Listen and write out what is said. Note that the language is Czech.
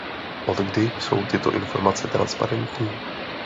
Odkdy jsou tyto informace transparentní?